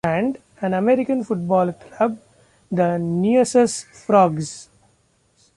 And an American Football Club, the Neuss Frogs.